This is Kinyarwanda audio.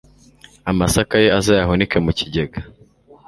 amasaka ye azayahunike mu kigega.»